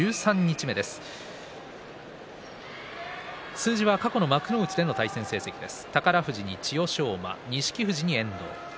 数字は過去幕内での対戦成績です。